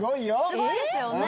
すごいっすよね。